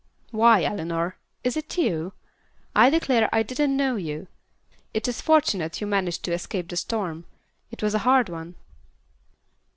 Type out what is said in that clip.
Why, Eleanor, is it you? I declare, I didn't know you. It is fortunate you managed to escape the storm; it was a hard one."